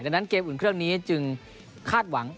ดังนั้นเกมอุ่นเครื่องนี้จึงคาดหวัง